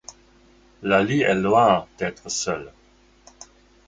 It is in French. Laly est loin d'être seule.